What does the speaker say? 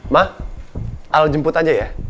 mah al jemput aja ya